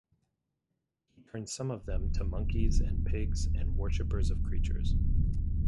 He turned some of them to monkeys and pigs and worshippers of creatures.